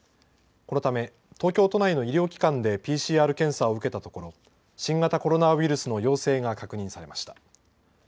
このため東京都内の医療機関でＰＣＲ検査を受けたところ新型コロナウイルスの陽性が確認されました。